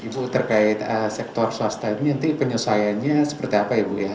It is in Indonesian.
ibu terkait sektor swasta ini nanti penyesuaiannya seperti apa ya bu ya